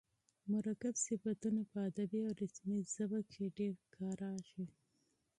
مرکب صفتونه په ادبي او رسمي ژبه کښي ډېر کاریږي.